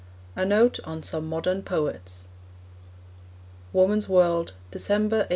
A NOTE ON SOME MODERN POETS (Woman's World, December 1888.)